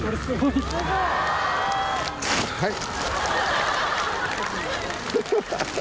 はい。